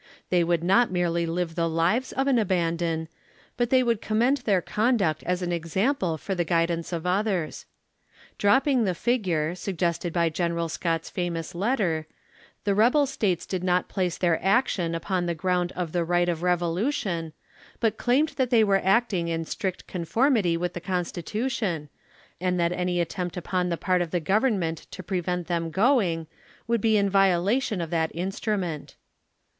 Thej" would not merely live the lives of an abandon, but they would commend their conduct as an example for the guidance of others. Dropping the figure, suggested by Gen. Scott's famous letter : ŌĆö the rebel states did not place their action upon the ground of the right of revolution, but claimed that they were acting in strict conformity with the Constitution, and that any attempt upon the part of the Government to prevent them going, would be in violation of that instru ment.